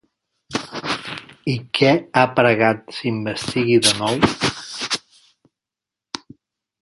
I què ha pregat s'investigui de nou?